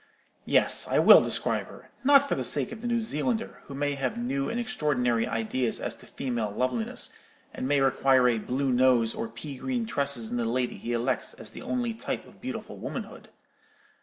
Yes, I will describe her; not for the sake of the New Zealander, who may have new and extraordinary ideas as to female loveliness, and may require a blue nose or pea green tresses in the lady he elects as the only type of beautiful womanhood.